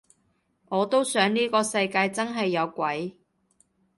我都想呢個世界真係有鬼